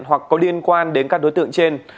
hoặc có liên quan đến các đối tượng trên